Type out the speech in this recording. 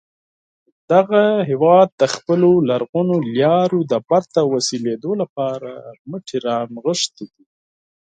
دغه هیواد د خپلو لرغونو لارو د بېرته وصلېدو لپاره مټې را نغښتې دي.